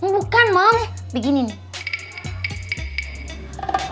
bukan moms begini nih